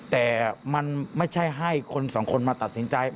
แต่มันไม่ใช่ให้คนสองคนมาตัดสินใจ